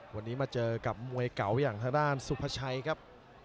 วันนี้มาเจอกับมวยเก่าอย่างทางด้านสุภาชัยครับ